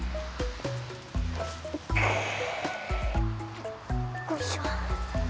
よっこいしょ。